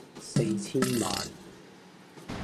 四千萬